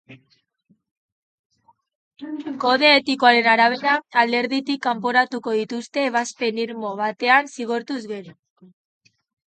Kode etikoaren arabera, alderditik kanporatuko dituzte ebazpen irmo batean zigortuz gero.